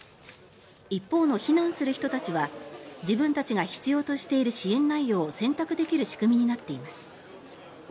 一方の避難する人たちは自分たちが必要としている支援内容を選択できる仕組みになっています。